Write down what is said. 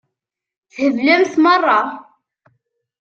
Theblemt meṛṛa.